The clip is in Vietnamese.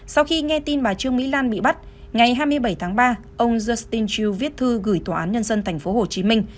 sau khi nghe tin bà trương mỹ lan bị bắt ngày hai mươi bảy tháng ba ông justin chu viết thư gửi tòa án nhân dân tp hcm